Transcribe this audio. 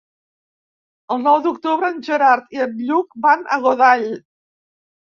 El nou d'octubre en Gerard i en Lluc van a Godall.